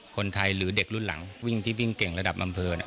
คนไทยหรือเด็กรุ่นหลังวิ่งที่วิ่งเก่งระดับอำเภอ